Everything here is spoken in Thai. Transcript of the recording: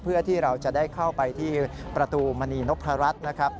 เพื่อที่เราจะได้เข้าไปที่ประตูมณีนพรัชนะครับ